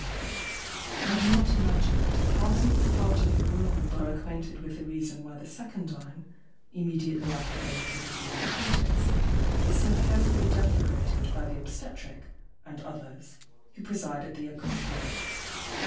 — I do not imagine that a thousandth part of the world are acquainted with the reason why the secundine, immediately after the nativity of the foetus, is so carefully deflagrated by the obstetric and others, who preside at the accouchement.